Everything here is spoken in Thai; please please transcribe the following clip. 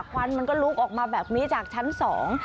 ควันมันก็ลุกออกมาแบบนี้จากชั้นสอง